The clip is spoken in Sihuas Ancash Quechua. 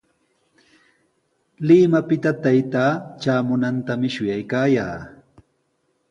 Limapita taytaa traamunantami shuyaykaayaa.